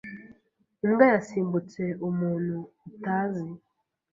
Imbwa yasimbutse umuntu utazi.